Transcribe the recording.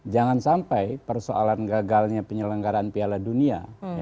jangan sampai persoalan gagalnya penyelenggaraan piala dunia